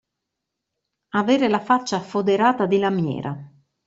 Avere la faccia foderata di lamiera.